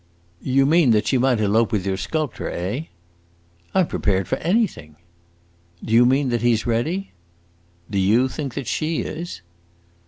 "You mean that she might elope with your sculptor, eh?" "I 'm prepared for anything!" "Do you mean that he 's ready?" "Do you think that she is?"